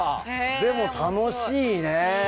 でも楽しいね。